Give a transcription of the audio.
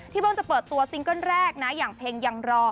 เพิ่งจะเปิดตัวซิงเกิ้ลแรกนะอย่างเพลงยังรอ